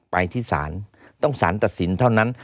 ไปที่ศาลต้องสารตัดสินเท่านั้น